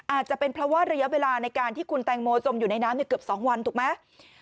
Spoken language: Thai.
อาจจะเป็นเพราะว่าระยะเวลาในการที่คุณแตงโมจมอยู่ในน้ำเกือบ๒วันถูกไหม